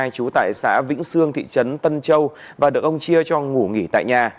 chú tại xã vĩnh sương thị trấn tân châu và được ông chia cho ngủ nghỉ tại nhà